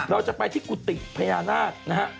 เราจะไปที่กุฏิพญานาคนะฮะ